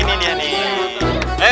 nah ini dia nih